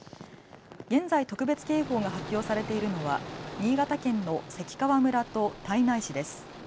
現在、特別警報が発表されているのは新潟県の関川村と胎内市です。